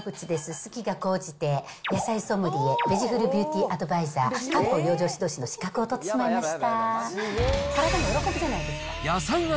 好きが講じて野菜ソムリエ、ベジフルビューティーアドバイザー、漢方ようじょうしどうしの資格を取ってしまいました。